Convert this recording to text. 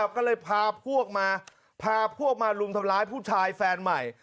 ก็เลยพาพวกมาพาพวกมารุมทำร้ายผู้ชายแฟนใหม่